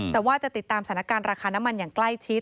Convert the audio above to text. แต่ว่าจะติดตามสถานการณ์ราคาน้ำมันอย่างใกล้ชิด